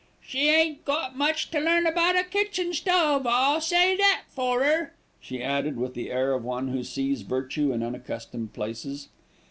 "She ain't got much to learn about a kitchen stove, I'll say that for 'er," she added, with the air of one who sees virtue in unaccustomed places.